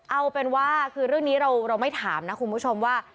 เอาเป็นว่าคือเรื่องนี้เราไม่ถามนะคุณผู้ชมว่า